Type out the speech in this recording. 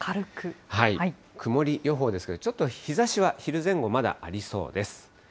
曇り予報ですけど、ちょっと日ざしは昼前後、まだありそうです。